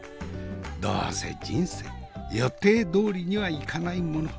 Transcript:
どうせ人生予定どおりにはいかないもの。